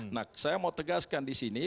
nah saya mau tegaskan di sini